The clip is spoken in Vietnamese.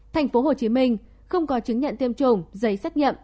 thành phố hồ chí minh không có chứng nhận tiêm chủng giấy xét nhận